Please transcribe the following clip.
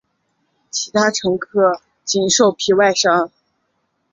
其他乘客仅受皮外伤。